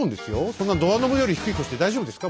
そんなドアノブより低い腰で大丈夫ですか？